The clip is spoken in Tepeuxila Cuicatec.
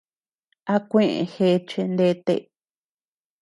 A kueʼe gèche nete.